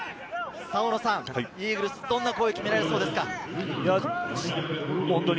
イーグルス、どんな攻撃が見られそうですか？